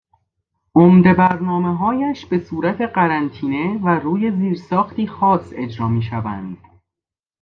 عمدهٔ برنامههایش به صورت قرنطینه و روی زیرساختی خاص اجرا میشوند